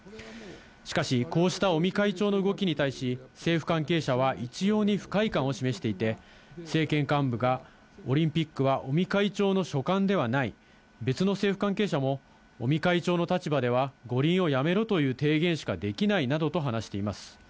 しかし、こうした尾身会長の動きに対し、政府関係者は一様に不快感を示していて、政権幹部が、オリンピックは尾身会長の所管ではない、別の政府関係者も、尾身会長の立場では五輪をやめろという提言しかできないなどと話しています。